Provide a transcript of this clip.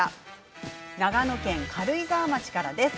長野県軽井沢町からです。